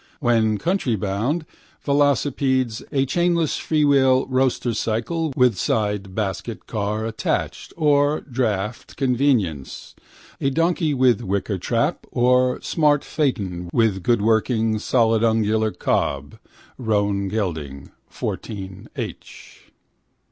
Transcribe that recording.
When countrybound velocipedes, a chainless freewheel roadster cycle with side basketcar attached, or draught conveyance, a donkey with wicker trap or smart phaeton with good working solidungular cob (roan gelding, 14 h).